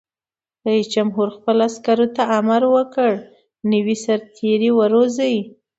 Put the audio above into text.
رئیس جمهور خپلو عسکرو ته امر وکړ؛ نوي سرتېري وروزیئ!